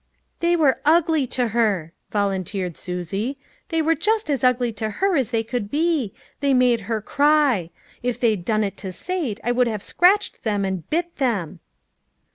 " They were ugly to her," volunteered Susie, " they were just as ugly to her as they could be ; they made her cry. If they'd done it to Sate I would have scratched them and bit them."